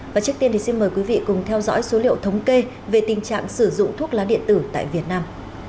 và trước tiên thì xin mời quý vị cùng theo dõi số liệu thống kê về tình trạng sử dụng thuốc lá điện tử tại việt nam